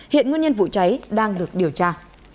hiện nguyên nhân vụ cháy đang được điều tra